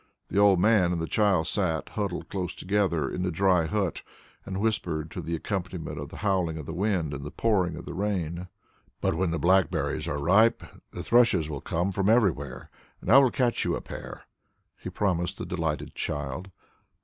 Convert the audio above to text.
The old man and the child sat, huddling close together in the dry hut and whispered to the accompaniment of the howling of the wind and the pouring of the rain. "When the black berries are ripe, the thrushes will come from everywhere, and I will catch you a pair," he promised the delighted child.